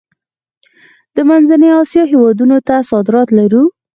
د منځنۍ اسیا هیوادونو ته صادرات لرو؟